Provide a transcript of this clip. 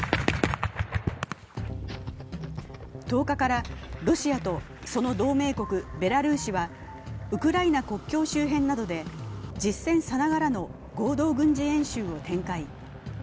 １０日からロシアとその同盟国ベラルーシはウクライナ国境周辺などで実戦さながらの合同軍事演習を展開。